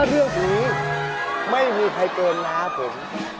ถ้าเรื่องผีไม่มีใครเป็นน้าผม